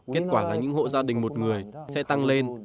kết quả là những hộ gia đình một người sẽ tăng lên